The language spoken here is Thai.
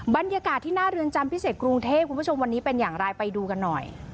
บรรยากาศที่หน้าเรือนจำพิเศษกรุงเทพคุณผู้ชมวันนี้เป็นอย่างไรไปดูกันหน่อย